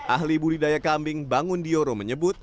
ahli budidaya kambing bangun dioro menyebut